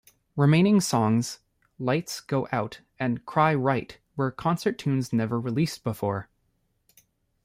Remaining songs "Lights Go Out" and "Cry Right" were concert tunes never released before.